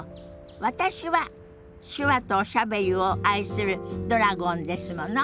私は手話とおしゃべりを愛するドラゴンですもの。